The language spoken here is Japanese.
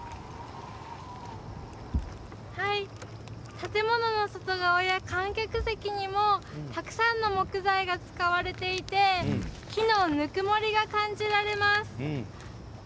建物の外側や観客席にもたくさんの木材が使われていて木のぬくもりが感じられます。